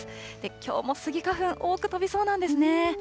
きょうもスギ花粉、多く飛びそうなんですね。